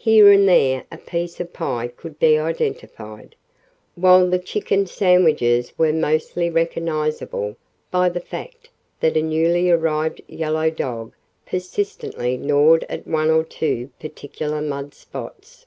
Here and there a piece of pie could be identified, while the chicken sandwiches were mostly recognizable by the fact that a newly arrived yellow dog persistently gnawed at one or two particular mud spots.